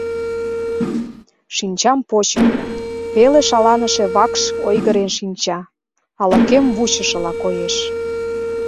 Шинчам почым — пеле шаланыше вакш ойгырен шинча, ала-кӧм вучышыла коеш.